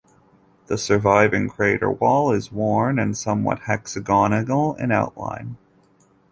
The surviving crater wall is worn and somewhat hexagonal in outline.